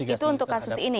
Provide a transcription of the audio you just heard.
itu untuk kasus ini